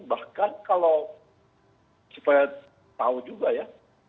bahkan kalau supaya tahu juga ya